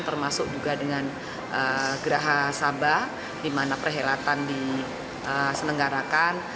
termasuk juga dengan gerah hasaba di mana perhelatan disenenggarakan